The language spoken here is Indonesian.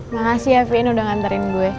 makasih ya vin udah nganterin gue